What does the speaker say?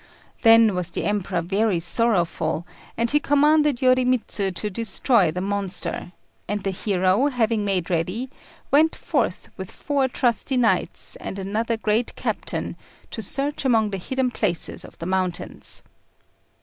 Then was the Emperor very sorrowful, and he commanded Yorimitsu to destroy the monster; and the hero, having made ready, went forth with four trusty knights and another great captain to search among the hidden places of the mountains.